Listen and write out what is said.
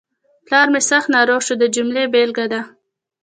پلار مې سخت ناروغ شو د جملې بېلګه ده.